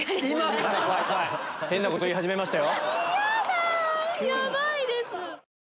今から⁉変なこと言い始めましたよ。